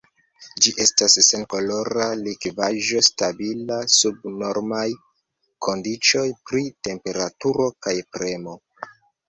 Ĝi estas senkolora likvaĵo stabila sub normaj kondiĉoj pri temperaturo kaj premo.